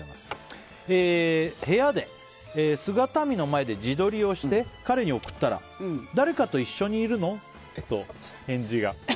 部屋で姿見の前で自撮りをして彼に送ったら誰かと一緒にいるの？と返事が。